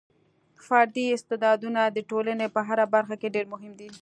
فردي استعدادونه د ټولنې په هره برخه کې ډېر مهم دي.